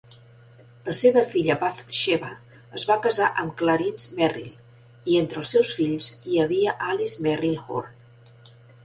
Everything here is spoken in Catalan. La seva filla Bathsheba es va casar amb Clarence Merrill i entre els seus fills hi havia Alice Merrill Horne.